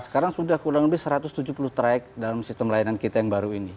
sekarang sudah kurang lebih satu ratus tujuh puluh track dalam sistem layanan kita yang baru ini